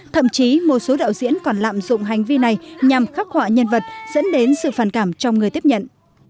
thậm chí một số đạo diễn còn lạm dụng hành vi này nhằm khắc họa nhân vật dẫn đến sự phản cảm trong người tiếp nhận